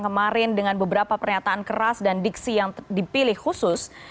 kemarin dengan beberapa pernyataan keras dan diksi yang dipilih khusus